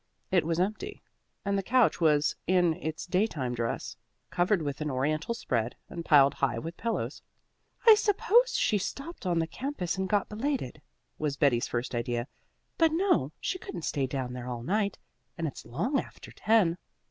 It was empty, and the couch was in its daytime dress, covered with an oriental spread and piled high with pillows. "I suppose she stopped on the campus and got belated," was Betty's first idea. "But no, she couldn't stay down there all night, and it's long after ten.